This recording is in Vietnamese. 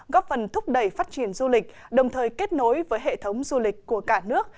góp phần thúc đẩy phát triển du lịch đồng thời kết nối với hệ thống du lịch của cả nước